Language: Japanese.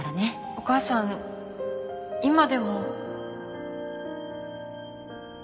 お母さん今でも。